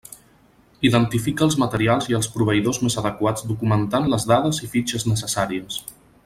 Identifica els materials i els proveïdors més adequats documentant les dades i fitxes necessàries.